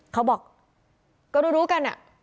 เขาบอกก็รู้กันอะ